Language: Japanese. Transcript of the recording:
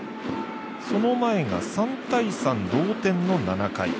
その前が３対３同点の７回。